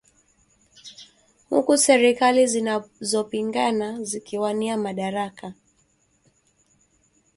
huku serikali zinazopingana zikiwania madaraka